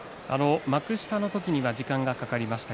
幕下の時は時間がかかりました。